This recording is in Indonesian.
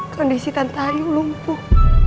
kondisi tante ayu lumpuh